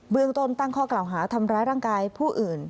เมืองต้นตั้งข้อกล่าวหาทำร้ายร่างกายผู้อื่น